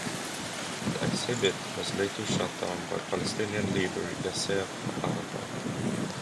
The exhibit was later shut down by Palestinian leader Yasser Arafat.